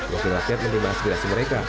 wakil rakyat menerima aspirasi mereka